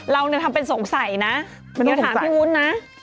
เราเนี่ยทำเป็นสงสัยนะเดี๋ยวถามพี่วุ้นนะ